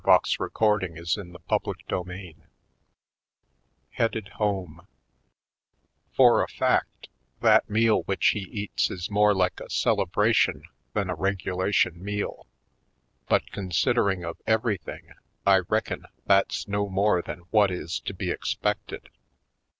252 /. Poindexter^ Colored CHAPTER XXI Headed Home FOR a fact, that meal which he eats is more like a celebration than a regu lation meal, but considering of every thing, I reckon that's no more than what is to be expected.